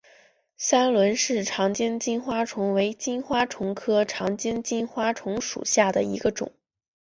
三轮氏长颈金花虫为金花虫科长颈金花虫属下的一个种。